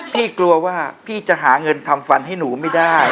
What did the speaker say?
กลัวว่าพี่จะหาเงินทำฟันให้หนูไม่ได้